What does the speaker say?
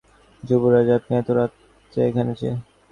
যুবরাজ, আপনি এত রাত্রে এখানে যে?